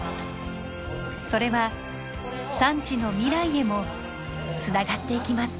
それは産地の未来へもつながっていきます。